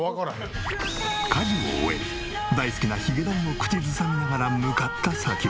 家事を終え大好きなヒゲダンを口ずさみながら向かった先は。